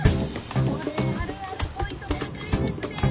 これあるあるポイント高いですね